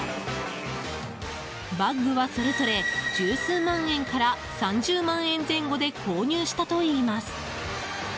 バッグは、それぞれ十数万円から３０万円前後で購入したといいます。